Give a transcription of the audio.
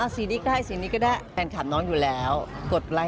สีนี้ก็ได้ก็ได้